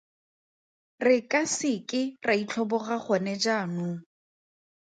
Re ka se ke ra itlhoboga gone jaanong.